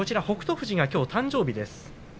富士はきょう誕生日です。